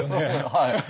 はい。